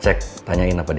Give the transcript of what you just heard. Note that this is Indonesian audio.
memang pedalnya mandi tadi